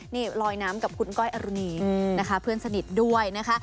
นี่ลอยน้ำกับคุณก้อยอรุณีนะคะเพื่อนสนิทด้วยนะคะ